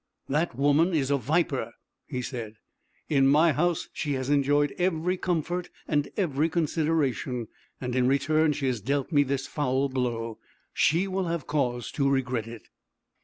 "That woman is a viper!" he said. "In my house she has enjoyed every comfort and every consideration, and in return she has dealt me this foul blow. She will have cause to regret it."